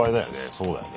そうだよね。